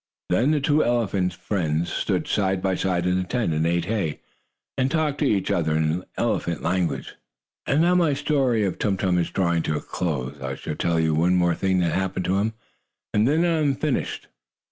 Then the two elephant friends stood side by side in the tent and ate hay and talked to each other in elephant language. And now my story of Tum Tum is drawing to a close. I shall tell you one more thing that happened to him, and then I am finished.